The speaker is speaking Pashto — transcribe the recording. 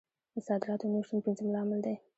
د صادراتو نه شتون پنځم لامل دی.